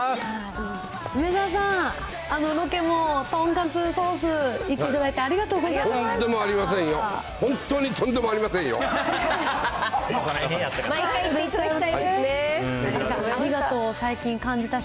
梅沢さん、あのロケも、とんかつソース、行っていただいてありがとうございました。